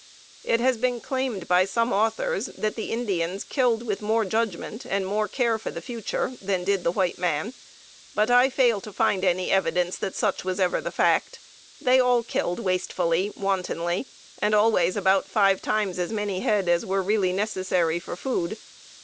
It has been claimed by some authors that the Indians killed with more judgment and more care for the future than did the white man, but I fail to find any evidence that such was ever the fact. They all killed wastefully, wantonly, and always about five times as many head as were really necessary for food.